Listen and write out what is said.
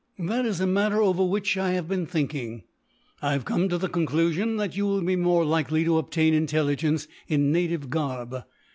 "That is a matter over which I have been thinking. I have come to the conclusion that you will be more likely to obtain intelligence in native garb.